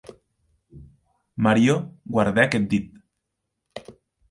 Mario guardèc eth dit.